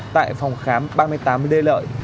tại phòng khám ba mươi tám lê lợi